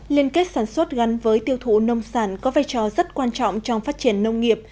liên kết sản xuất gắn với tiêu thụ nông sản có vai trò rất quan trọng trong phát triển nông nghiệp